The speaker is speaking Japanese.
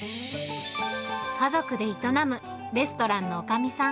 家族で営むレストランのおかみさん。